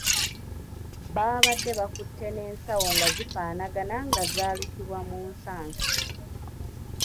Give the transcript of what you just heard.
Baabadde bakutte n'ensawo nga zifaanagana nga zaalukibwa mu nsansa.